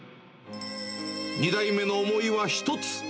２代目の思いは一つ。